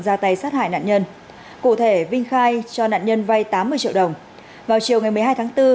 ra tay sát hại nạn nhân cụ thể vinh khai cho nạn nhân vay tám mươi triệu đồng vào chiều ngày một mươi hai tháng bốn